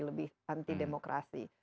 lebih anti demokrasi